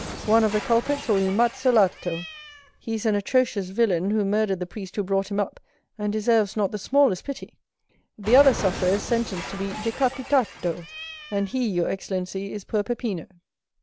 One of the culprits will be mazzolato;3 he is an atrocious villain, who murdered the priest who brought him up, and deserves not the smallest pity. The other sufferer is sentenced to be decapitato;4 and he, your excellency, is poor Peppino."